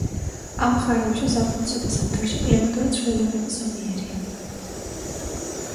ამ მხარეებში ზაფხულსა და ზამთარში კლიმატური ცვლილებები ზომიერია.